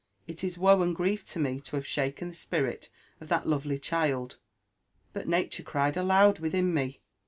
" It is woe and grief to me to have shaken the spirit of that lovely child,; but nature cried aloud within, me.